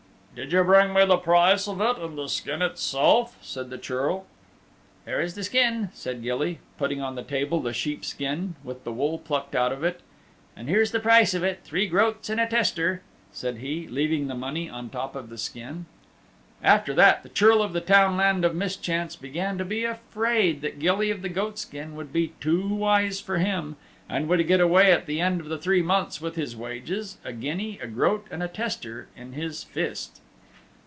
"Did you bring me the price of it and the skin itself?" said the Churl. "There is the skin," said Gilly, putting on the table the sheep skin with the wool plucked out of it. "And here's the price of it three groats and a tester," said he, leaving the money on top of the skin. After that the Churl of the Townland of Mischance began to be afraid that Gilly of the Goatskin would be too wise for him, and would get away at the end of the three months with his wages, a guinea, a groat and a tester, in his fist.